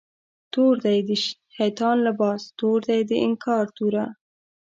تور دی د شیطان لباس، تور دی د انکار توره